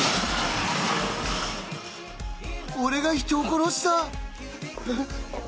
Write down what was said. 俺が人を殺した？え？